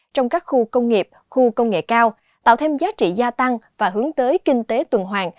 trong các khu công nghiệp khu công nghệ cao tạo thêm giá trị gia tăng và hướng tới kinh tế tuần hoàng